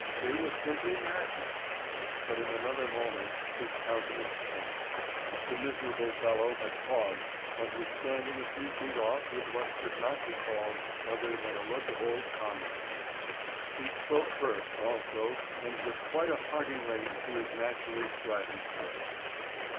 They were simply madmen. But in another moment his countenance changed. The miserable fellow had paused and was standing a few feet off with what could not be called other than a look of old comradeship. He spoke first also and with quite a hearty ring to his naturally strident voice.